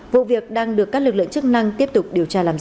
vụ việc đang được các lực lượng chức năng tiếp tục điều tra làm rõ